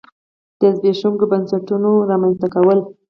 د زبېښونکو بنسټونو رامنځته کول.